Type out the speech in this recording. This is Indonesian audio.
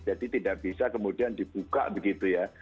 jadi tidak bisa kemudian dibuka begitu ya